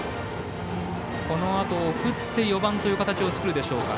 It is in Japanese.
このあと、送って４番という形を作るでしょうか。